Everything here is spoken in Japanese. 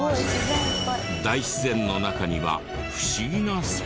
大自然の中には不思議なスポットも。